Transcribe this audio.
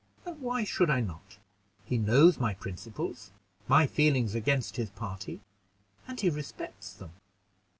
And why should I not? He knows my principles, my feelings against his party, and he respects them.